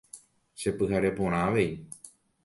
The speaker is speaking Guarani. Chepyhare porã avei.